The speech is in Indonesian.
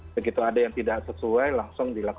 begitu ada yang tidak sesuai langsung